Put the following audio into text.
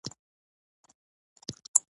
ایا زه باید کورنی سفر وکړم؟